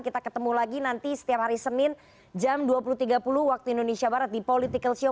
kita ketemu lagi nanti setiap hari senin jam dua puluh tiga puluh waktu indonesia barat di political show